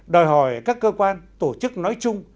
đòi hỏi các cơ quan tổ chức nói chung